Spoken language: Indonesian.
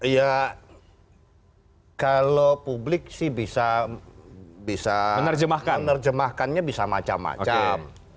ya kalau publik sih bisa menerjemahkannya bisa macam macam